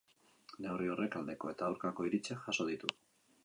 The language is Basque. Neurri horrek aldeko eta aurkako iritziak jaso ditu.